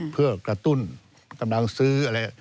เพื่อกระตุ้นกำลังซื้ออะไร